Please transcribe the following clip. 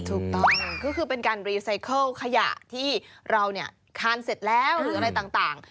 ถูกต้องก็คือเป็นการรีไซเคิลขยะที่เราเนี่ยคานเสร็จแล้วหรืออะไรต่าง